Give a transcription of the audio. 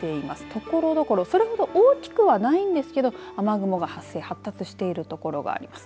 ところどころそれほど大きくはないんですが雨雲が発生発達している所があります。